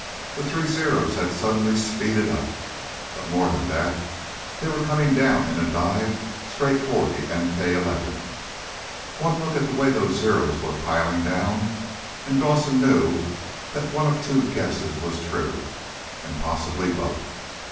The three Zeros had suddenly speeded up. But, more than that, they were coming down in a dive straight for the MK 11. One look at the way those Zeros were piling down and Dawson knew that one of two guesses was true. And possibly both.